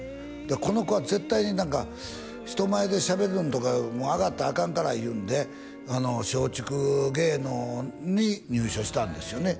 この子は絶対に何か人前でしゃべるんとかあがったらアカンからいうんであの松竹芸能に入所したんですよね